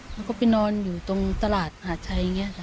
แล้วก็ไปนอนอยู่ตรงตลาดหาชัยอย่างเงี้ย